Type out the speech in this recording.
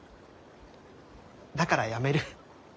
だからやめる。